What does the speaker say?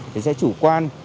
thì sẽ chủ quan